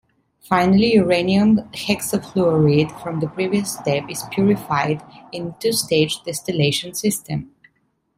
Finally, uranium hexafluoride from the previous step is purified in a two-stage distillation system.